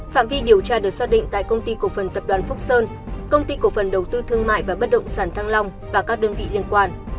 phạm vi điều tra được xác định tại công ty cổ phần tập đoàn phúc sơn công ty cổ phần đầu tư thương mại và bất động sản thăng long và các đơn vị liên quan